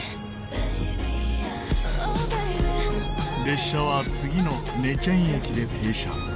列車は次のネチェン駅で停車。